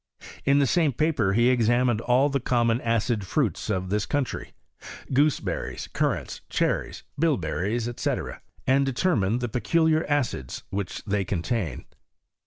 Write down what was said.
In the same paper he examined all the common acid fruits of this country — gooseberries, currants, cher ries, bilberries, &c., and determined the peculiar acids which they contain.